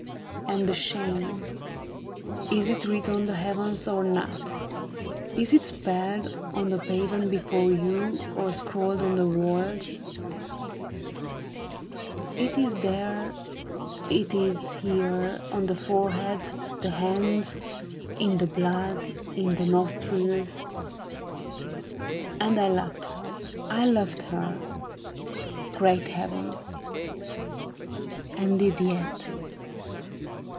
And the shame ! Is it writ on the heavens or not ? Is it spelled On the pavement before you, or scrawled on the walls ? It is there, it is here, on the forehead, the hands, In the blood, in the nostrils. And I loved her, I loved her. Great Heaven ! and did yet.